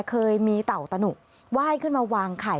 เคยมีเต่าตะหนุกไหว้ขึ้นมาวางไข่